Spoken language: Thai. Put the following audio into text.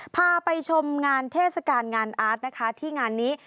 พาไปชมงานเทศกาลงานอาร์ตนะคะที่งานนี้